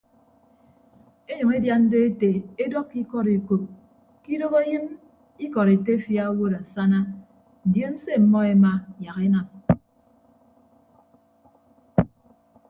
Enyʌñ edian do ete edọkkọ ikọd ekop ke idooho eyịn ikọd etefia owod asana ndion se ọmmọ ema yak enam.